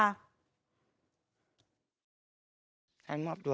ให้มันมอบตัว